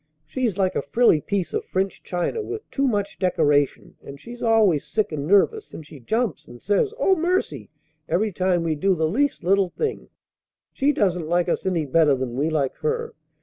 She's like a frilly piece of French china with too much decoration; and she's always sick and nervous; and she jumps, and says 'Oh, mercy!' every time we do the least little thing. She doesn't like us any better than we like her.